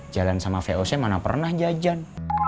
jalan sama voc mana pernah jajan